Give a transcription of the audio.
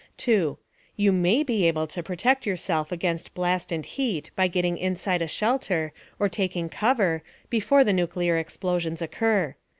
2. You may be able to protect yourself against blast and heat by getting inside a shelter or taking cover, before the nuclear explosions occur.